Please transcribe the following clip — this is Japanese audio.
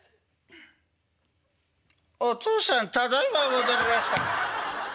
「お父さんただいま戻りました」。